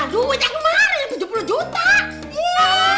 aduh yang kemarin tujuh puluh juta